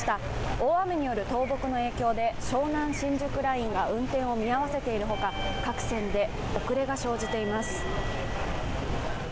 大雨による倒木の影響で湘南新宿ラインが運転を見合わせている他、各線で遅れが生じています。